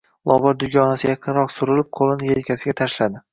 Lobar dugonasiga yaqinroq surilib, qo`lini elkasiga tashladi